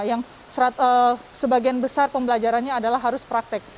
yang sebagian besar pembelajarannya adalah harus praktek